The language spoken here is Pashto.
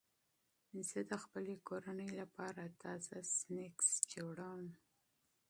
زه د خپلې کورنۍ لپاره تازه سنکس جوړوم.